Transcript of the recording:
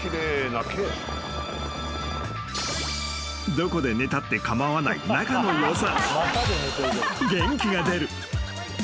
［どこで寝たって構わない仲のよさ］